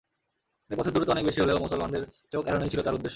এ পথের দূরত্ব অনেক বেশি হলেও মুসলমানদের চোখ এড়ানোই ছিল তার উদ্দেশ্য।